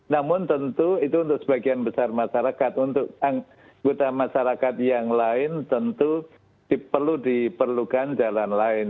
namun tentu itu untuk sebagian besar masyarakat untuk anggota masyarakat yang lain tentu diperlukan jalan lain